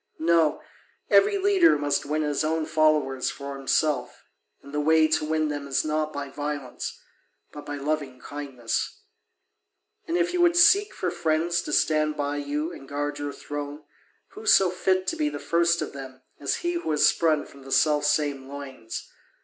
No, every leader must win his own followers for himself, and the way to win them is not by violence but by loving kindness. And if you would seek for friends to stand by you and guard your throne, who so fit to be the first of them as he who is sprung from the self same loins?